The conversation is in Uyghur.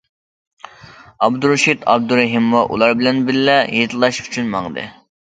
ئابدۇرېشىت ئابدۇرېھىممۇ ئۇلار بىلەن بىللە ھېيتلاش ئۈچۈن ماڭدى.